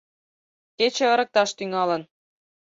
Кече ырыкташ тӱҥалын